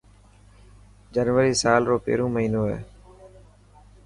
جنوري سلا رو پهريون مهينو هي.